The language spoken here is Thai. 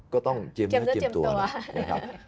ก็ต้องเจ็บเนื้อเจ็บตัวนะครับ